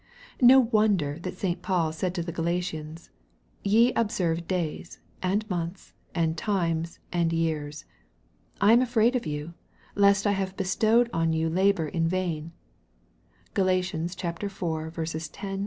No wonder that St. Paul said to the Gala tians, " Ye observe days, and months, and times, and years. I am afraid of you, lest I have bestowed on you labor in vain." (G al. iv. 10, 11.)